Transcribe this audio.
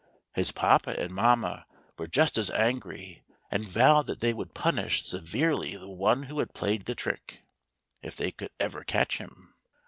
His papa and mamma were just as angry, and vowed that they would punish severe ly the one who had played the trick, if they could ever catch him.